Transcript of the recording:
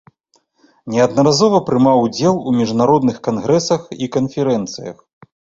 Неаднаразова прымаў удзел у міжнародных кангрэсах і канферэнцыях.